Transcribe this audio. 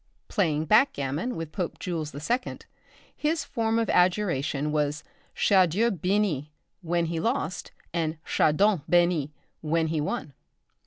Playing backgammon with Pope Jules II., his form of adjuration was Chardieu bénit! when he lost, and Chardon bénit! when he won.